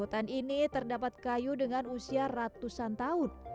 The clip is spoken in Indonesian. di hutan ini terdapat kayu dengan usia ratusan tahun